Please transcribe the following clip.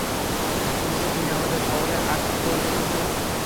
শুনেছি তুমি আমাদের শহরে, আর্ট পড়তে এসেছ।